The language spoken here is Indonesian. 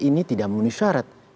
ini tidak memenuhi syarat